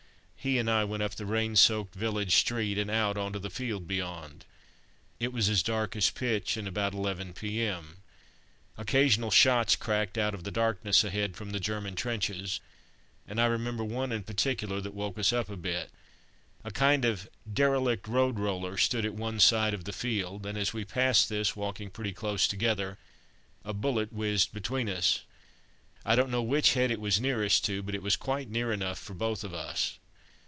He and I went up the rain soaked village street and out on to the field beyond. It was as dark as pitch, and about 11 p.m. Occasional shots cracked out of the darkness ahead from the German trenches, and I remember one in particular that woke us up a bit. A kind of derelict road roller stood at one side of the field, and as we passed this, walking pretty close together, a bullet whizzed between us. I don't know which head it was nearest to, but it was quite near enough for both of us.